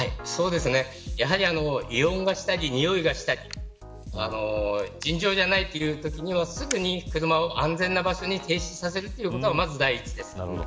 やはり異音がしたりにおいがしたり尋常じゃないというときにはすぐに車を安全な場所に停止させるということがまず第一です。